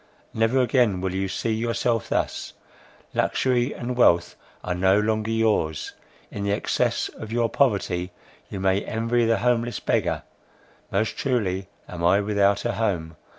never again will you see yourself thus; luxury and wealth are no longer yours; in the excess of your poverty you may envy the homeless beggar; most truly am I without a home!